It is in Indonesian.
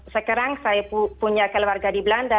sekarang saya punya keluarga di belanda